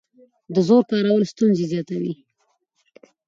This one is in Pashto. د زور کارول ستونزې زیاتوي